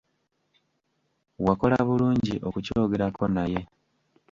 Wakola bulungi okukyogerako naye.